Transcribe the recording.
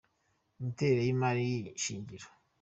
Imiterere y’imari shingiro